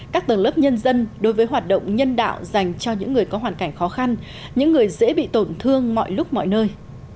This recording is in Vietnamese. các tầng lớp nhân dân đối với hoạt động nhân đạo dành cho những người có hoàn cảnh khó khăn những người dễ bị tổn thương mọi lúc mọi nơi